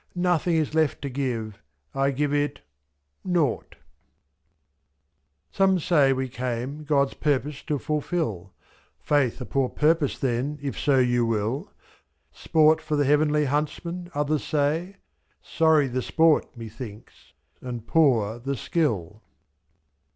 Nothing is left to give — I give it — nought ! S8 Some say we came God*s purpose to fulfil — 'Faith a poor purpose then, if so you will; ^A^ Sport for the heavenly huntsmen, others say, — Sorry the sport, methinks, and poor the skill.